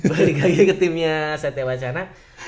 balik lagi ke timnya sate wacana